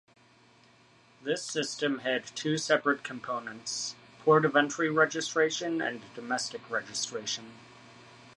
This system had two separate components: port-of-entry registration and domestic registration.